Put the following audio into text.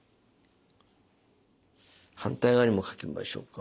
反対側にも書きましょうか。